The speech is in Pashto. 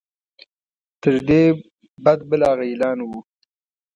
تر دې بد بل هغه اعلان وو.